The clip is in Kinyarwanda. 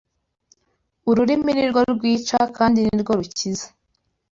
Ururimi ni rwo rwica, kandi ni rwo rukiza